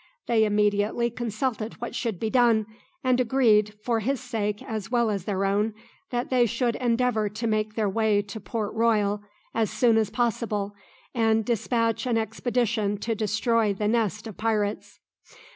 They immediately consulted what should be done, and agreed, for his sake as well as their own, that they should endeavour to make their way to Port Royal as soon as possible, and despatch an expedition to destroy the nest of pirates.